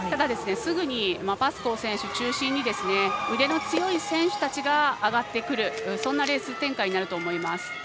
すぐに、パスコー選手中心に腕の強い選手たちが上がってくるレース展開になると思います。